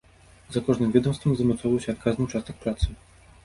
За кожным ведамствам замацоўваўся адказны ўчастак працы.